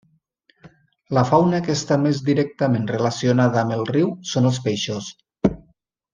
La fauna que està més directament relacionada amb el riu són els peixos.